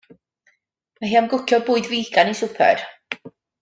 Mae hi am gwcio bwyd figan i swper.